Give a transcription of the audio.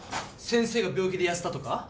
先生が病気で痩せたとか。